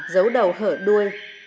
dấu đầu hở đuôi